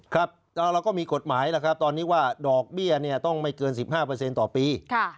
ครับเราก็มีกฎหมายแล้วครับตอนนี้ว่าดอกเบี้ยต้องไม่เกิน๑๕ต่อปี